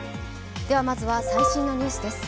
まずは最新のニュースです。